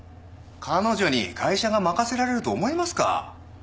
彼女に会社が任せられると思いますか？